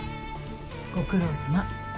ご苦労さま。